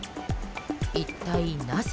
一体なぜ？